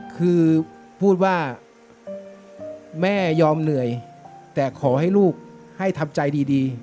คือพูดว่าแม่ยอมเหนื่อยแต่ขอให้ลูกให้ทำใจดี